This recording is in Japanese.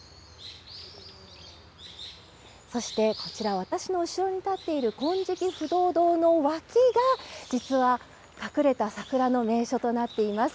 そしてこちら、私の後ろに建っている金色不動堂の脇が、実は隠れた桜の名所となっています。